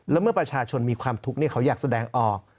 แล้วเมื่อประชาชนมีความทุกข์เขาอยากแสดงออก